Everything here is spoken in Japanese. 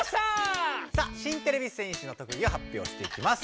さあ新てれび戦士の特技を発表していきます。